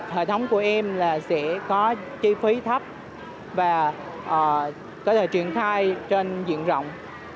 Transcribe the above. hệ thống của em sẽ có chi phí thấp và có thể truyền thai trên diện rộng